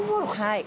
はい。